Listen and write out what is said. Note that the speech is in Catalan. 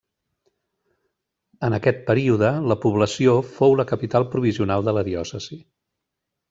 En aquest període, la població fou la capital provisional de la diòcesi.